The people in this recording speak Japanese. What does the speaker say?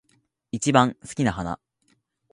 一番好きな花